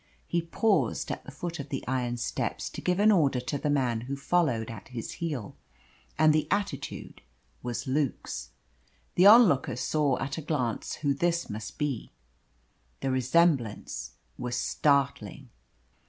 He paused at the foot of the iron steps to give an order to the man who followed at his heel, and the attitude was Luke's. The onlookers saw at a glance who this must be. The resemblance was startling.